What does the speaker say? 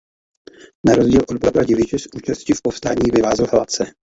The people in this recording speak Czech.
Na rozdíl od bratra Diviše z účasti v povstání vyvázl hladce.